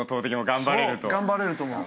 頑張れると思う。